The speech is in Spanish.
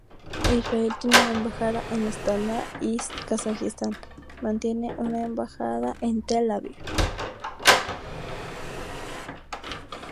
Israel tiene una embajada en Astaná y Kazajistán mantiene una embajada en Tel Aviv.